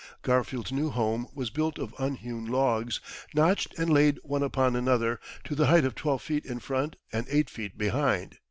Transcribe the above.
Garfield's new home was built of unhewn logs, notched and laid one upon another, to the height of twelve feet in front and eight feet behind.